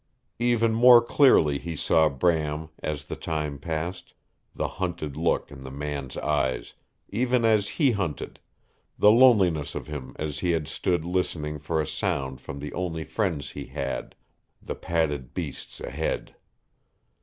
Even more clearly he saw Bram as the time passed; the hunted look in the man's eyes, even as he hunted the loneliness of him as he had stood listening for a sound from the only friends he had the padded beasts ahead.